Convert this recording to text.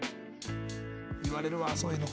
言われるわそういうの。